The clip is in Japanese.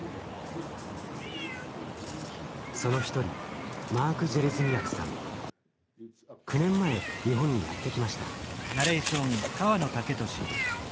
その一人９年前日本にやって来ました。